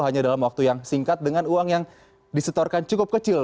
hanya dalam waktu yang singkat dengan uang yang disetorkan cukup kecil